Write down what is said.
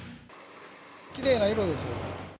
きれいな色です。